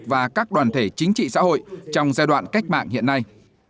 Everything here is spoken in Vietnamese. và các đoàn thể chính trị xã hội trong giai đoạn cách mạng hiện nay